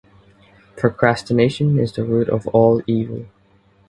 Procrastination is the root of all evil.